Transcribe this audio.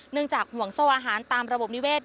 จากห่วงโซ่อาหารตามระบบนิเวศ